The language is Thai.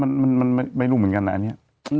มันไม่รู้เหมือนกันนะอันนี้